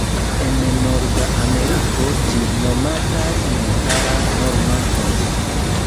En norda Ameriko ĝi nomatas "Montara Norma Tempo".